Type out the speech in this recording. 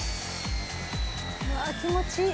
うわ気持ちいい！